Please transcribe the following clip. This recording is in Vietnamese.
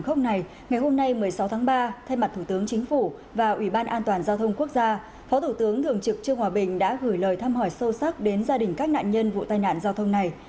ngày hôm nay một mươi sáu tháng ba thay mặt thủ tướng chính phủ và ủy ban an toàn giao thông quốc gia phó thủ tướng thường trực trương hòa bình đã gửi lời thăm hỏi sâu sắc đến gia đình các nạn nhân vụ tai nạn giao thông này